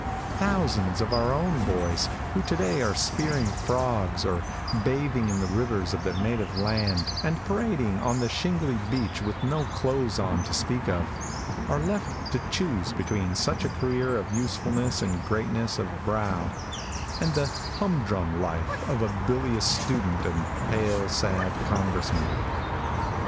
Thousands of our own boys, who to day are spearing frogs, or bathing in the rivers of their native land and parading on the shingly beach with no clothes on to speak of, are left to choose between such a career of usefulness and greatness of brow, and the hum drum life of a bilious student and pale, sad congressman.